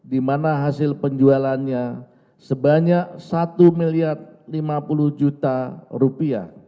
dimana hasil penjualannya sebanyak rp satu lima puluh